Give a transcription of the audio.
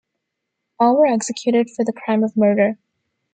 All were executed for the crime of murder.